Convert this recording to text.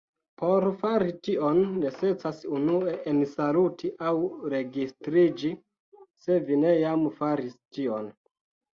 Por fari tion necesas unue ensaluti aŭ registriĝi, se vi ne jam faris tion.